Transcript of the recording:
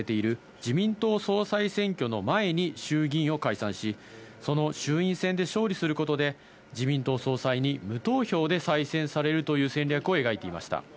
自民党総裁選挙の前に衆議院を解散し、その衆院選で勝利することで自民党総裁に無投票で再選されるという戦略を描いてきました。